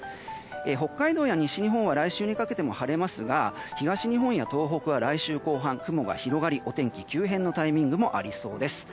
北海道や西日本は来週にかけても晴れますが東日本や東北は来週後半、雲が広がりお天気は急変のタイミングもありそうです。